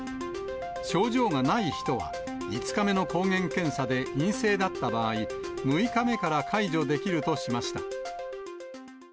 症状がない人は、５日目の抗原検査で陰性だった場合、６日目から解除できるとしました。